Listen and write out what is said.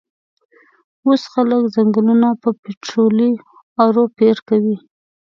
وس خلک ځنګلونه په پیټررولي ارو پیرکوی